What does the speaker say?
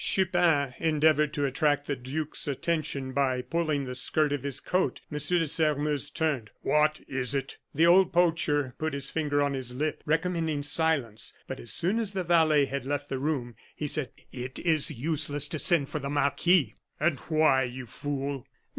Chupin endeavored to attract the duke's attention by pulling the skirt of his coat. M. de Sairmeuse turned: "What is it?" The old poacher put his finger on his lip, recommending silence, but as soon as the valet had left the room, he said: "It is useless to send for the marquis." "And why, you fool?"